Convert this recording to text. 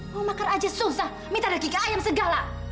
mau makan aja susah minta regika ayam segala